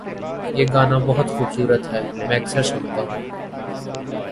یہ گانا بہت خوبصورت ہے، میں اکثر سنتا ہوں